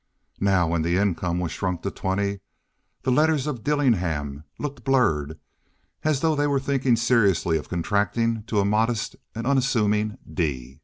Now, when the income was shrunk to $20, the letters of "Dillingham" looked blurred, as though they were thinking seriously of contracting to a modest and unassuming D.